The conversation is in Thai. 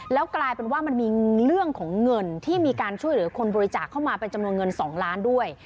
แล้วกลายเป็นว่ามันมีเรื่องของเงินที่มีการช่วยเหลือคนบริจาคเข้ามาเป็นจำนวนเงิน๒ล้านด้วย